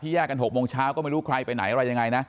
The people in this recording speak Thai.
แยกกัน๖โมงเช้าก็ไม่รู้ใครไปไหนอะไรยังไงนะ